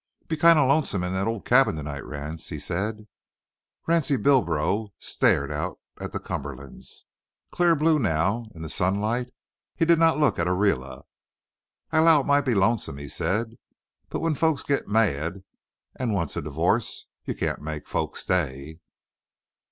"Be kind o' lonesome in the old cabin to night, Ranse," he said. Ransie Bilbro stared out at the Cumberlands, clear blue now in the sunlight. He did not look at Ariela. "I 'low it might be lonesome," he said; "but when folks gits mad and wants a divo'ce, you can't make folks stay."